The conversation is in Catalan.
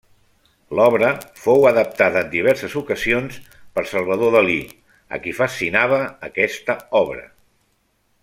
L'obra fou adaptada en diverses ocasions per Salvador Dalí, a qui fascinava aquesta obra.